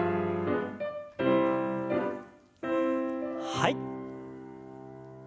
はい。